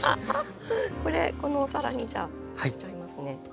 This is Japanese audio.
これこのお皿にじゃあのせちゃいますね。